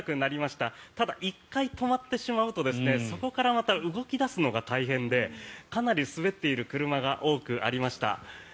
ただ、１回止まってしまうとそこからまた動き出すのが大変でかなり滑っている車が多くありました。